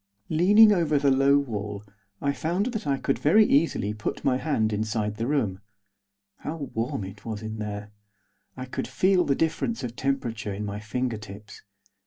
Leaning over the low wall I found that I could very easily put my hand inside the room. How warm it was in there! I could feel the difference of temperature in my fingertips.